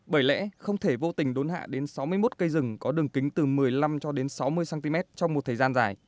bởi lẽ không thể vô tình đốn hạ đến sáu mươi một cây rừng có đường kính từ một mươi năm cho đến sáu mươi cm trong một thời gian dài